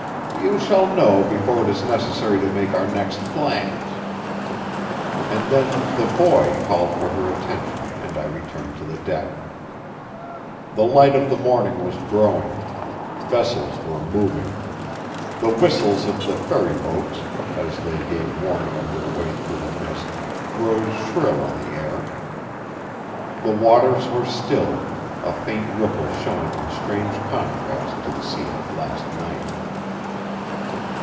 "You shall know before it is necessary to make our next plans." And then the boy called for her attention and I returned to the deck. The light of the morning was growing. Vessels were moving. The whistles of the ferry boats, as they gave warning of their way through the mist, rose shrill on the air. The waters were still, a faint ripple showing in strange contrast to the scene of last night.